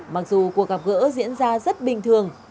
mặc dù cuộc gặp gỡ diễn ra rất bình thường